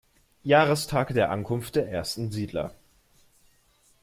Jahrestag der Ankunft der ersten Siedler.